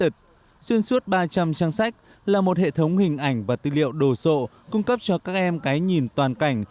xuyên suốt ba trăm linh trang sách là một hệ thống hình ảnh và tư liệu đồ sộ cung cấp cho các em cái nhìn toàn cảnh